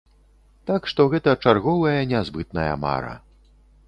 Так што гэта чарговая нязбытная мара.